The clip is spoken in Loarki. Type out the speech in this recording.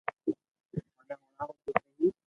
مني ھڻاو تو سھي